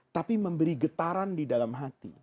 tapi memberi getaran di dalamnya